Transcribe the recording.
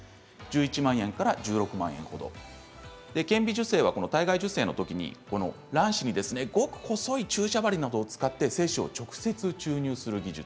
１１万円から１６万円ほど顕微授精は体外受精のときに卵子に、ごく細い注射針などを使って精子を直接注入する技術